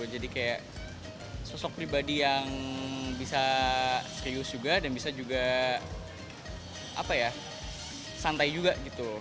jadi kayak sosok pribadi yang bisa serius juga dan bisa juga santai juga gitu